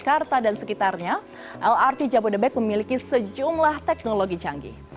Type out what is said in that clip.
jakarta dan sekitarnya lrt jabodebek memiliki sejumlah teknologi canggih